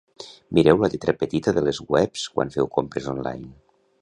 Mireu la lletra petita de les webs quan feu compres online.